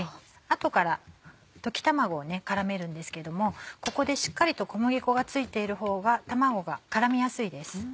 後から溶き卵を絡めるんですけどもここでしっかりと小麦粉が付いている方が卵が絡みやすいです。